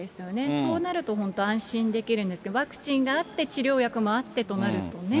そうなると、本当、安心できるんですけど、ワクチンがあって、治療薬もあってとなるとね。